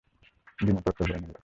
বিনু তরতর করে নেমে যাচ্ছে।